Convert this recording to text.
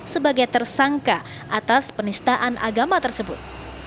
sebagai tersangka atas penistaan agama tersebut